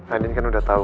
andin kan udah tahu